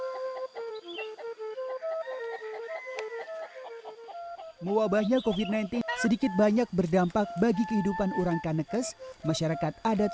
hai muabahnya kofi sembilan puluh sedikit banyak berdampak bagi kehidupan orang kanekes masyarakat adat